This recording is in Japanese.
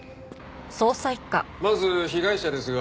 まず被害者ですが。